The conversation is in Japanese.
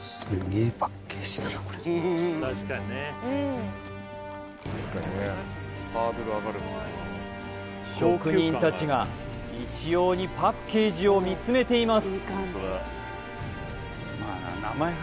これ職人たちが一様にパッケージを見つめています